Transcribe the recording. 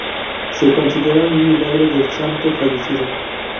Se considera un milagro del santo fallecido.